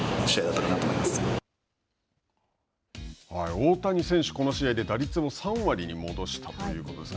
大谷選手、この試合で打率を３割に戻したということですね。